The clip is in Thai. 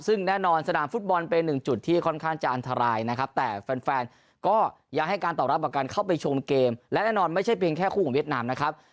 ซึ่งแน่นอนสนามฟุตบอลเป็นหนึ่งจุดที่ค่อนข้างจะอันตรายนะครับแต่แฟนก็ยังให้การตอบรับกับการเข้าไปชมเกมและแน่นอนไม่ใช่เพียงแค่คู่ของเวียดนามนะครับ